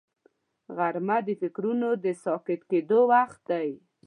غرمه د فکرونو د ساکت کېدو وخت دی